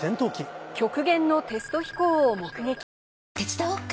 手伝おっか？